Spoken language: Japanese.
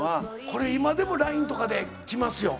これ今でもＬＩＮＥとかできますよ